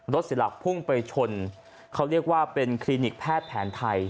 เสียหลักพุ่งไปชนเขาเรียกว่าเป็นคลินิกแพทย์แผนไทย